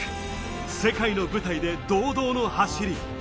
世界の舞台で堂々の走り。